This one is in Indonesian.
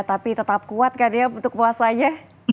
tapi tetap kuat kan ya untuk puasanya